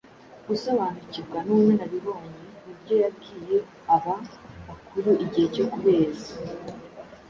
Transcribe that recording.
gusobanukirwa n’ubunararibonye. Mu byo yabwiye aba bakuru igihe cyo kubeza,